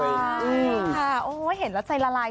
ใช่ค่ะโอ้เห็นแล้วใจละลาย